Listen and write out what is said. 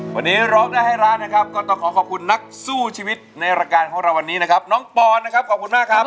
วันนี้ร้องได้ให้ร้านนะครับก็ต้องขอขอบคุณนักสู้ชีวิตในรายการของเราวันนี้นะครับน้องปอนนะครับขอบคุณมากครับ